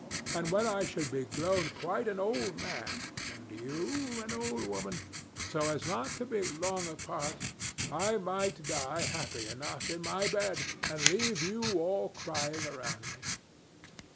And when I should be grown quite an old man, and you an old woman, so as not to be long apart, I might die happy enough in my bed, and leave you all crying around me.